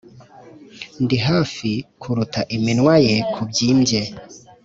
ndi hafi kuruta iminwa ye; kubyimbye,